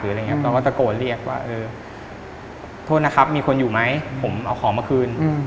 เราก็ตะโกนเรียกว่าเออโทษนะครับมีคนอยู่ไหมผมเอาของมาคืน